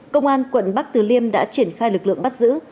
công an quận bắc từ liêm đã triển khai lực lượng bắt giữ